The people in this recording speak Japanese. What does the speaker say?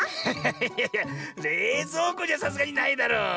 いやいやれいぞうこにはさすがにないだろう。